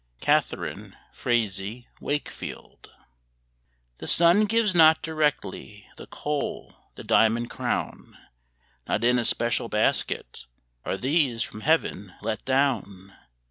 Catharine Frazee Wakefield. The sun gives not directly The coal, the diamond crown; Not in a special basket Are these from Heaven let down.